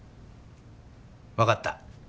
わかった。